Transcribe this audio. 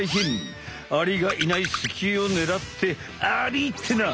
アリがいないスキをねらってアリってな！